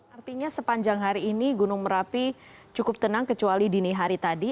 artinya sepanjang hari ini gunung merapi cukup tenang kecuali dini hari tadi